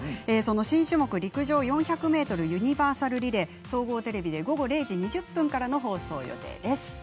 新種目陸上４００ｍユニバーサルリレー総合テレビで午後０時２０分からの放送予定です。